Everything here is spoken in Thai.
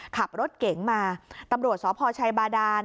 ขับรถเก๋งมาตำรวจสพชัยบาดาน